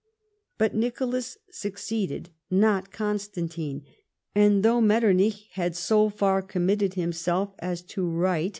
But Nicholas succeeded, not Constantine. And thouo h Metternich had so far committed himself as to write to 106.